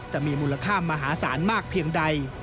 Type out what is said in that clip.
จะมีมูลค่ามหาศาลมากเพียงใด